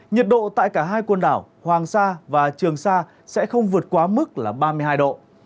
nhiệt độ tại cả hai quần đảo hoàng sa và trường sa sẽ không vượt quá mức là ba mươi hai độ